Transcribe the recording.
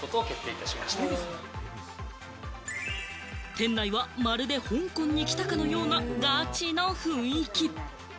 店内はまるで香港に来たかのようなガチの雰囲気。